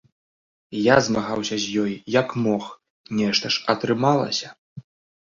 Я змагаўся з ёй як мог, нешта ж атрымалася.